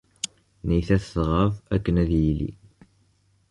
Neytat tɣab akken ad yili.